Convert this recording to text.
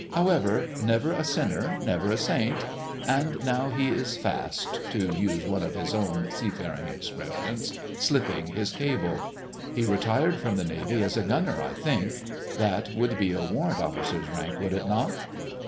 However, 'Never a sinner, never a saint,' ... and now he is fast—to use one of his own seafaring expressions—'slipping his cable.' He retired from the Navy as a Gunner, I think. That would be a Warrant Officer's rank, would it not?"